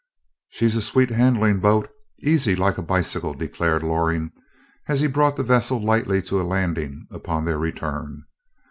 "She's a sweet handling boat easy like a bicycle," declared Loring as he brought the vessel lightly to a landing upon their return.